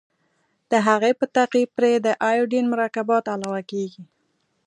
د هغې په تعقیب پرې د ایوډین مرکبات علاوه کیږي.